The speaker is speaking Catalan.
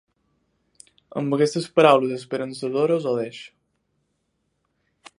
Amb aquestes paraules esperançadores, ho deixo.